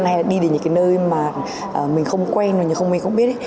hay là đi đến những cái nơi mà mình không quen hoặc là mình không biết